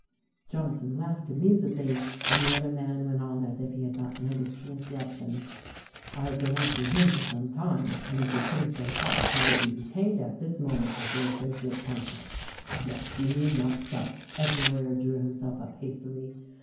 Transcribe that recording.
Johnson laughed amusedly, and the other man went on as if he had not noticed the interruption. "I've been watching him for some time, and if he could have been bought he would be retained at this moment as THE RECORDING ANGEL 113 your associate counsel. Yes; you need not start," as the lawyer drew himself up hastily.